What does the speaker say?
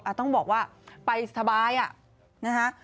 ต้องบอกว่าไปสบายอ่ะนะฮะ